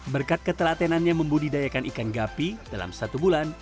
berkat ketelatenannya membudidayakan ikan gapi dalam satu bulan